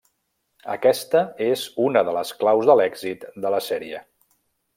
Aquesta és una de les claus de l'èxit de la sèrie.